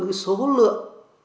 cái số lượng